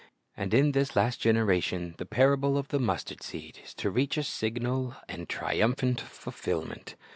"' And in this last generation the parable of the mustard seed is to reach a signal and triumphant fulfilment.